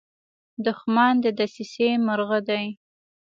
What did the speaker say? دښمن د دسیسې مرغه دی